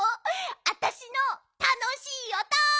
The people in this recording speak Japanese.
あたしのたのしいおと！